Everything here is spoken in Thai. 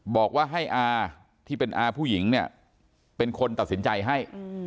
บอกว่าให้อาที่เป็นอาผู้หญิงเนี่ยเป็นคนตัดสินใจให้